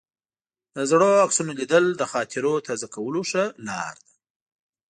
د زړو عکسونو لیدل د خاطرو تازه کولو ښه لار ده.